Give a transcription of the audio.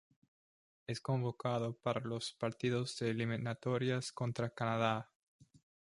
Es convocado para los partidos de eliminatorias contra Canadá.